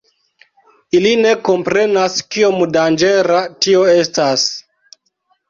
Ili ne komprenas kiom danĝera tio estas.